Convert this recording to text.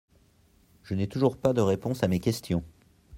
Je n’ai toujours pas de réponse à mes questions.